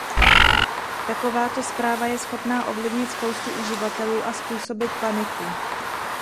Takováto zpráva je schopná ovlivnit spoustu uživatelů a způsobit paniku.